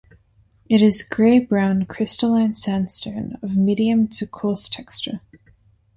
It is gray-brown crystalline sandstone of medium to coarse texture.